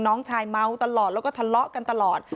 น้องชายเมาตลอดแล้วก็ทะเลาะกันตลอด